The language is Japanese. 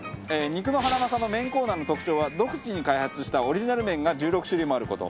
肉のハナマサの麺コーナーの特徴は独自に開発したオリジナル麺が１６種類もある事。